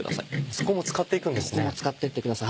そこも使って行くんですね。